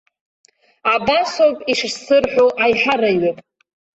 Абасоуп ишысзырҳәо аиҳараҩык.